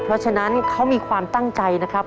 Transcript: เพราะฉะนั้นเขามีความตั้งใจนะครับ